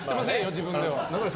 自分では。